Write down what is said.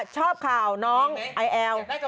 ชอบข่าวน้องไอแอล